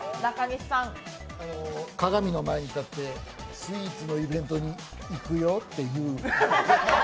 鏡の前に立ってスイーツのイベントに行くよって言う。